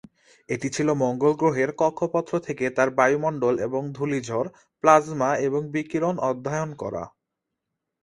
এটি ছিল মঙ্গল গ্রহের কক্ষপথ থেকে তার বায়ুমণ্ডল এবং ধূলিঝড়, প্লাজমা এবং বিকিরণ অধ্যয়ন করা।